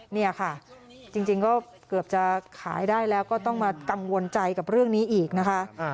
เนี่ยค่ะจริงก็เกือบจะขายได้แล้วก็ต้องมากังวลใจกับเรื่องนี้อีกนะคะ